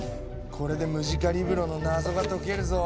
これでムジカリブロの謎が解けるぞ！